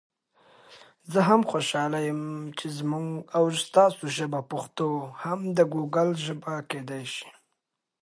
افغانستان په د بولان پټي باندې تکیه لري.